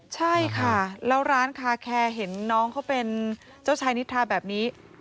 ใช่ค่ะแล้วร้านคาแคร์เห็นน้องเขาเป็นเจ้าชายนิทาแบบนี้